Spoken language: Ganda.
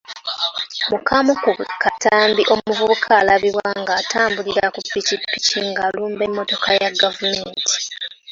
Mu kamu ku katambi omuvubuka alabibwa ng’atambulira ki ppikipiki ng’alumba emmotoka ya gavumenti.